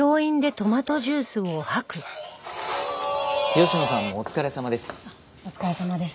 吉野さんもお疲れさまです。